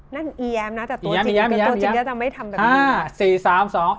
นั่นอีแยมนะแต่ตัวจริงจะไม่ทำแบบนี้